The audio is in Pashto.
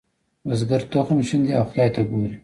بزګر تخم شیندي او خدای ته ګوري.